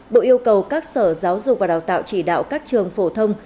bộ yêu cầu các sở giáo dục và đào tạo chỉ đạo các trường phổ thông